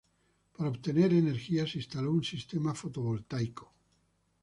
Para obtener energía se instaló un sistema fotovoltaico.